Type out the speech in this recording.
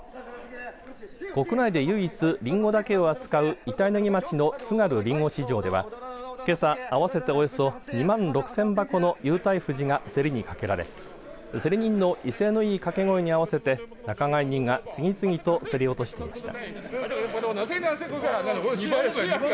国内で唯一りんごだけを扱う板柳町の津軽りんご市場ではけさ合わせておよそ２万６０００箱の有袋ふじが競りにかけられ競り人の威勢のいい掛け声に合わせて仲買人が次々と競り落としていました。